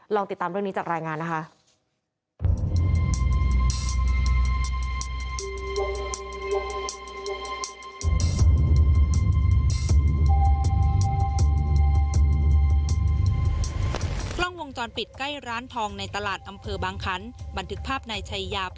ติดตามเรื่องนี้จากรายงานนะคะ